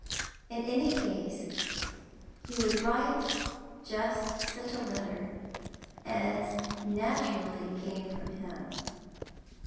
In any case, he would write just such a letter as came naturally from him.